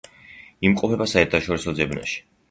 იმყოფება საერთაშორისო ძებნაში.